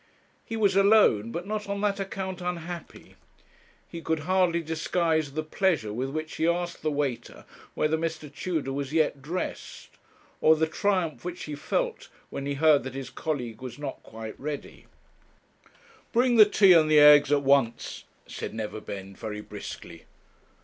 He was alone, but not on that account unhappy. He could hardly disguise the pleasure with which he asked the waiter whether Mr. Tudor was yet dressed, or the triumph which he felt when he heard that his colleague was not quite ready. 'Bring the tea and the eggs at once,' said Neverbend, very briskly.